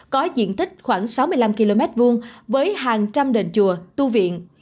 có diện tích khoảng sáu mươi năm km hai với hàng trăm đền chùa tu viện